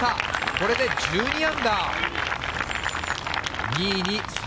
これで１２アンダー。